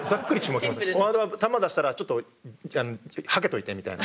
フォワードは球出したらちょっとはけといてみたいな。